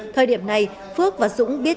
thời điểm này phước và dũng biết